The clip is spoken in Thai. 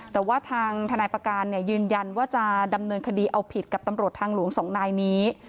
แต่ว่าทางทนายประการยืนยันว่าจะดำเนินคดีเอาผิดกับตำรวจทางหลวงสองนายนี้